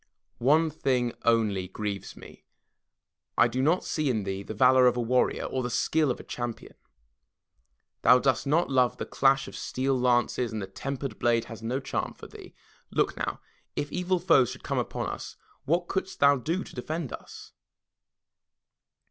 One thing only grieves me. I do not see in thee the valor of a warrior, or the skill of a champion. Thou dost not love the clash of steel lances, and the tempered blade has no charm for thee. Look now, if evil foes should come upon us, what couldst thou do to defend us?''